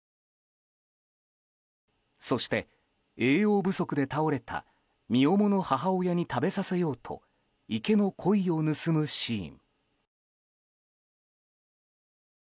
そして栄養不足で倒れた身重の母親に食べさせようと池のコイを盗むシーン。